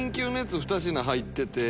２品入ってて。